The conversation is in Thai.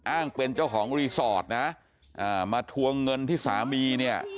อ้างเป็นเจ้าของรีสอร์ทนะมาทวงเงินที่สามีเนี่ย